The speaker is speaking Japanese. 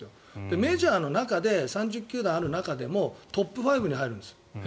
メジャー３０球団の中でもトップ５に入るんです。